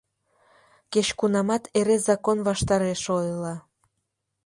— Кеч-кунамат эре закон ваштареш ойла.